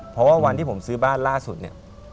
เพราะว่าวันที่ผมซื้อบ้านล่าสุดเนี่ย